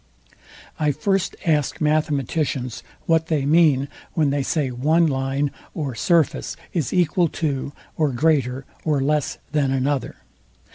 I first ask mathematicians, what they mean when they say one line or surface is EQUAL to, or GREATER or LESS than another?